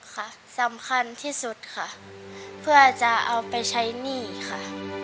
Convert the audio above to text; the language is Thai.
ค่ะสำคัญที่สุดค่ะเพื่อจะเอาไปใช้หนี้ค่ะ